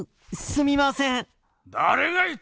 すみません。